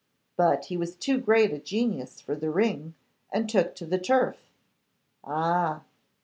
But he was too great a genius for the ring, and took to the turf.' 'Ah!